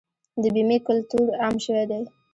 د بیمې کلتور عام شوی دی؟